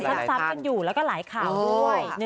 ซ้ำกันอยู่แล้วก็หลายข่าวด้วย